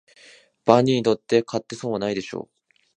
万人にとって買って損はないでしょう